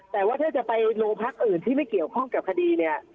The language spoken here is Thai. แต่ว่าถ้าจะไปโรงพักอื่นที่ไม่เกี่ยวข้องกับคดีเนี่ย